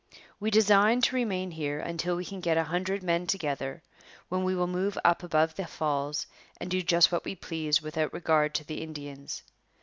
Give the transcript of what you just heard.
We design to remain here until we can get a hundred men together, when we will move up above the falls and do just what we please without regard to the Indians.